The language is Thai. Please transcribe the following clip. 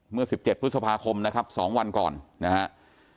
เมื่อ๑๗พฤษภาคมนะครับ๒วันก่อนนะครับ